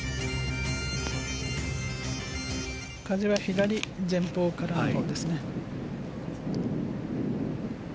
風は左前方からですね。